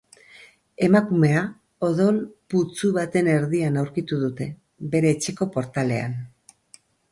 Emakumea odol putzu baten erdian aurkitu dute, bere etxeko portalean.